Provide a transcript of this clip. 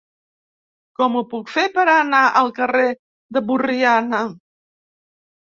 Com ho puc fer per anar al carrer de Borriana?